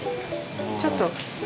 ちょっと。